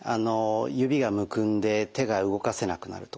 指がむくんで手が動かせなくなるとかですね